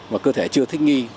và cơ thể chưa thích nghi